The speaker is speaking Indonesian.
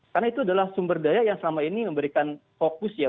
karena itu adalah sumber daya yang selama ini memberikan fokus ya